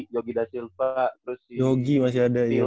yogi da silva terus si